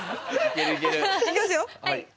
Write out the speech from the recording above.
いきますよ！